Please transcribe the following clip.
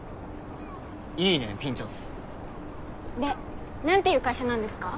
いいねピンチョスで何ていう会社なんですか？